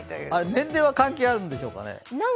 年齢は関係あるんでしょうかね。